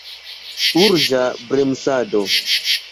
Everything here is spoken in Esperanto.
Urĝa bremsado!